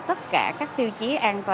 tất cả các tiêu chí an toàn